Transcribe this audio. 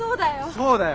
そうだよ。